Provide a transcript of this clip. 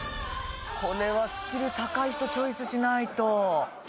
これはスキル高い人チョイスしないと。